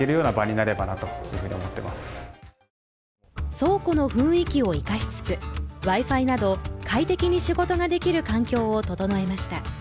倉庫の雰囲気を生かしつつ、Ｗｉ−Ｆｉなど快適に仕事ができる環境を整えました。